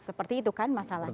seperti itu kan masalahnya